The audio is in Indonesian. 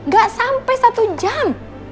gak sampai satu jam